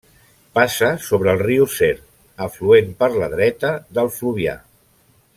Passa sobre el riu Ser, afluent per la dreta del Fluvià.